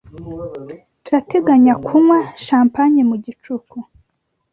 Turateganya kunywa champagne mu gicuku.